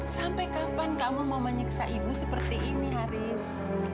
sampai kapan kamu mau menyiksa ibu seperti ini haris